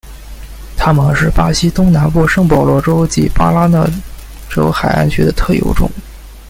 它们是巴西东南部圣保罗州及巴拉那州海岸区的特有种。